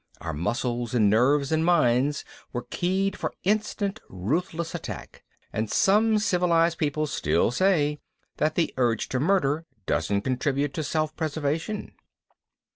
Our muscles and nerves and minds were keyed for instant ruthless attack. And some "civilized" people still say that the urge to murder doesn't contribute to self preservation!